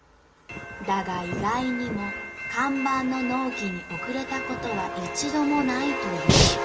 だが意外にも看板の納期に遅れたことは一度もないという。